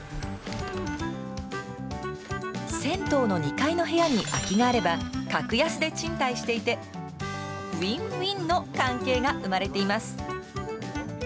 銭湯の２階の部屋に空きがあれば格安で賃貸していてウィンウィンの関係が生まれています。